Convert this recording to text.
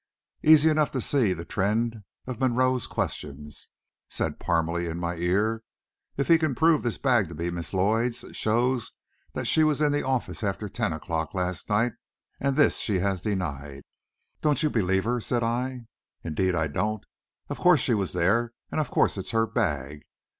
"Easy enough to see the trend of Monroe's questions," said Parmalee in my ear. "If he can prove this bag to be Miss Lloyd's, it shows that she was in the office after ten o'clock last night, and this she has denied." "Don't you believe her?" said I. "Indeed I don't. Of course she was there, and of course it's her bag.